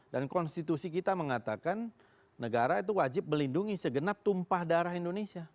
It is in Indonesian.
dan konstitusi kita mengatakan negara itu wajib melindungi segenap tumpah darah indonesia